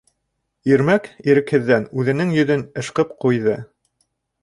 Ирмәк, ирекһеҙҙән, үҙенең йөҙөн ышҡып ҡуйҙы.